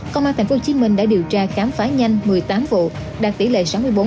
công an tp hcm đã điều tra khám phá nhanh một mươi tám vụ đạt tỷ lệ sáu mươi bốn hai mươi chín